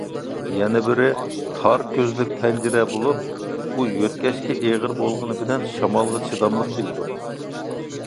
يەنە بىرى، تار كۆزلۈك پەنجىرە بولۇپ، ئۇ يۆتكەشكە ئېغىر بولغىنى بىلەن شامالغا چىداملىق كېلىدۇ.